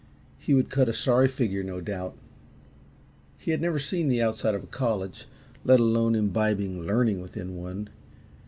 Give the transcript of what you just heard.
he would cut a sorry figure, no doubt. He had never seen the outside of a college, let alone imbibing learning within one.